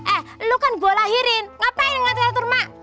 eh lu kan gua lahirin ngapain ngatur ngatur mak